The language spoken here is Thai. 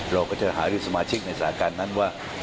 เราก็จะหารือสมาชิกในสถานการณ์นั้นว่า